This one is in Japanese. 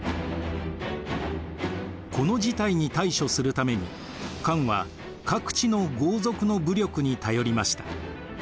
この事態に対処するために漢は各地の豪族の武力に頼りました。